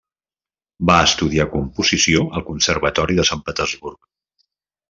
Va estudiar composició al Conservatori de Sant Petersburg.